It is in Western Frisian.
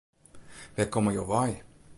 Wêr komme jo wei?